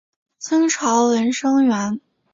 清朝文生员。